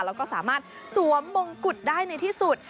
แล้วก็สามารถสวมมงกุฎได้ในที่สุด